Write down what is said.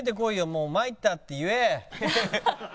もう参ったって言え！